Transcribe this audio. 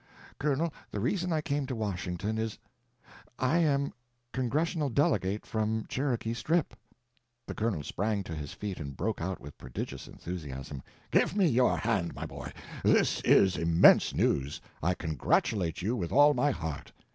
Colonel, the reason I came to Washington is,—I am Congressional Delegate from Cherokee Strip!" The Colonel sprang to his feet and broke out with prodigious enthusiasm: "Give me your hand, my boy—this is immense news! I congratulate you with all my heart.